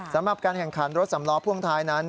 สำหรับการแข่งขันรถสำล้อพ่วงท้ายนั้น